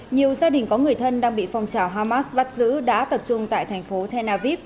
nhiều gia đình có người thân đang bị phong trào hamas bắt giữ đã tập trung tại thành phố tel aviv